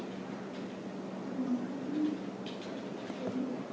ibu putri candrawati